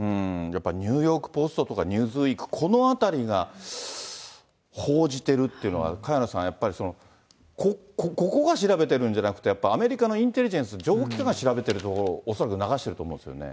やっぱりニューヨーク・ポストとか、ニューズウィーク、このあたりが、報じてるっていうのは、萱野さん、やっぱり、ここが調べてるんじゃなくて、やっぱりアメリカのインテリジェンス、情報機関が調べているところを、恐らく流してると思うんですよね。